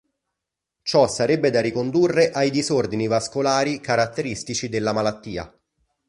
Ciò sarebbe da ricondurre ai disordini vascolari caratteristici della malattia.